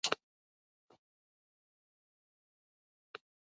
Jumpsuit is sponsored by Tomahawk Shoes and Amplifiers.